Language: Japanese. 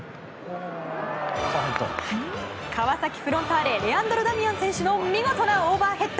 川崎フロンターレレアンドロ・ダミアン選手の見事なオーバーヘッド。